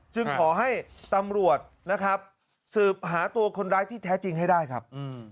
จึงขอให้ตำรวจนะครับสืบหาตัวคนร้ายที่แท้จริงให้ได้ครับ